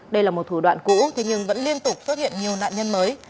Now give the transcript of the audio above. đây là một thủ đoạn cũ thế nhưng vẫn liên tục xuất hiện nhiều nạn nhân mới